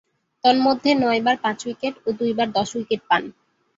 তন্মধ্যে নয়বার পাঁচ উইকেট ও দুইবার দশ উইকেট পান।